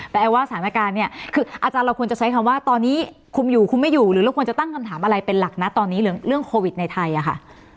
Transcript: แต่ไอ้ว่าสถานการณ์เนี่ยคืออาจารย์เราควรจะใช้คำว่าตอนนี้คุมอยู่คุมไม่อยู่หรือเราควรจะตั้งคำถามอะไรเป็นหลักนะตอนนี้เรื่องโควิดในไทยอะค่ะ